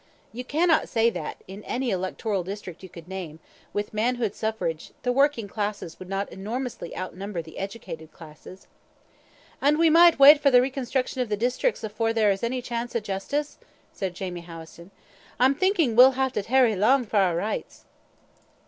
You cannot say that, in any electoral district you could name, with manhood suffrage the working classes would not enormously outnumber the educated classes." "An' we maun wait for the reconstruction of the districts afore there is any chance o' justice?" said Jamie Howison. "I'm thinking we'll hae to tarry lang for our richts."